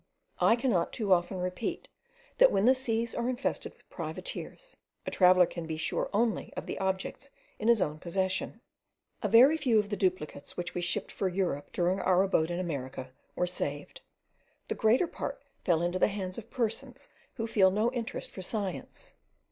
I cannot too often repeat, that when the seas are infested with privateers, a traveller can be sure only of the objects in his own possession. A very few of the duplicates, which we shipped for Europe during our abode in America, were saved; the greater part fell into the hands of persons who feel no interest for science.